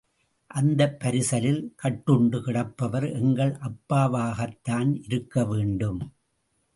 அந்தப் பரிசலில் கட்டுண்டு கிடப்பவர் எங்கள் அப்பாவாகத்தான் இருக்க வேண்டும்.